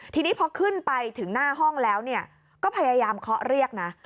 ทีนี้พอขึ้นไปถึงหน้าห้องแล้วก็พยายามเคาะเรียกนะ